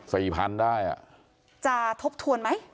พันได้อ่ะจะทบทวนไหม